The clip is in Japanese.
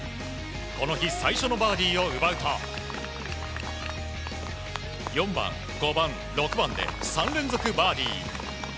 この日最初のバーディーを奪うと４番、５番、６番で３連続バーディー。